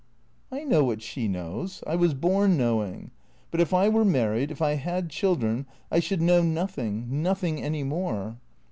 " I know what she knows — I was born knowing. But if I were married, if I had children, I should know nothing, nothing any more."